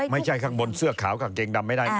ไม่ใช่ข้างบนเสื้อขาวกับเกงดำไม่ได้